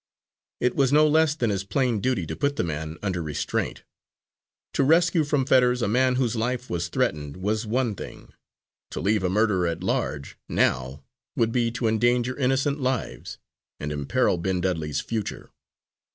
It was no less than his plain duty to put the man under restraint. To rescue from Fetters a man whose life was threatened, was one thing. To leave a murderer at large now would be to endanger innocent lives, and imperil Ben Dudley's future.